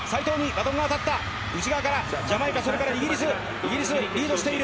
内側からジャマイカ、それからイギリス、リードしている。